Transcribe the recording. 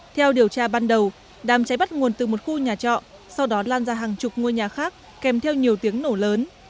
theo điều tra ban đầu đám cháy bắt nguồn từ một khu nhà trọ sau đó lan ra hàng chục ngôi nhà khác kèm theo nhiều tiếng nổ lớn